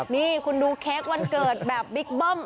นี่คุณดูเค้กวันเกิดแบบบิ๊กเบิ้ม